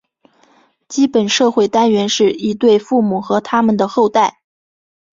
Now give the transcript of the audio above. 基本社会单元是一对父母和它们的后代。